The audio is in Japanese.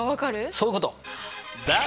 そういうこと！